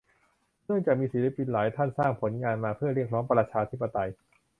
เนื่องจากมีศิลปินหลายท่านสร้างผลงานมาเพื่อเรียกร้องประชาธิปไตย